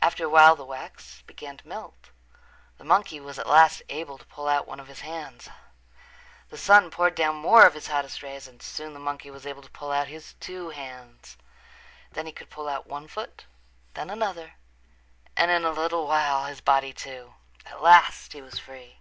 After a while the wax began to melt. The monkey was at last able to pull out one of his hands. The sun poured down more of his hottest rays and soon the monkey was able to pull out his two hands. Then he could pull out one foot, then another, and in a little while his body, too. At last he was free.